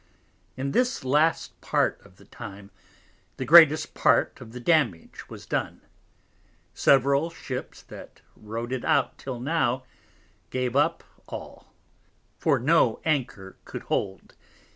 In this last Part of the Time the greatest Part of the Damage was done: Several Ships that rode it out till now, gave up all; for no Anchor could hold.